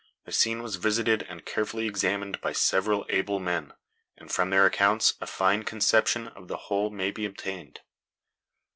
The scene was visited and carefully examined by several able men, and from their accounts a fine conception of the whole may be obtained.